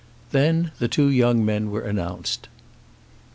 Then the two young men were announced.